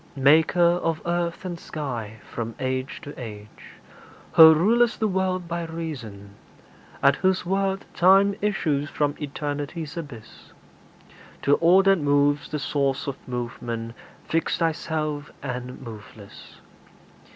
Maker of earth and sky, from age to age Who rul'st the world by reason; at whose word Time issues from Eternity's abyss: To all that moves the source of movement, fixed Thyself and moveless.